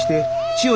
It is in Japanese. ・千代！